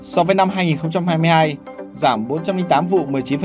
so với năm hai nghìn hai mươi hai giảm bốn trăm linh tám vụ một mươi chín